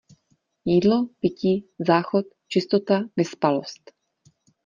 Jídlo, pití, záchod, čistota, vyspalost.